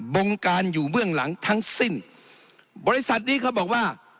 บงการอยู่เบื้องหลังทั้งสิ้นบริษัทนี้เขาบอกว่า